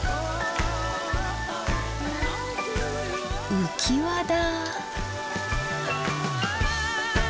浮き輪だ。